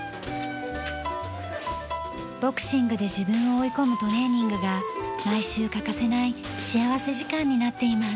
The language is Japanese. ボクシングで自分を追い込むトレーニングが毎週欠かせない幸福時間になっています。